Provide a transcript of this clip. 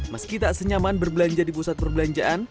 meski tak senyaman berbelanja di pusat perbelanjaan